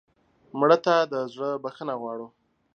مړه ته د زړه بښنه غواړو